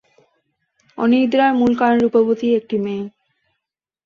অনিদ্রার মূল কারণ রূপবতী একটি মেয়ে।